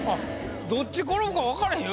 どっち転ぶか分からへんよ。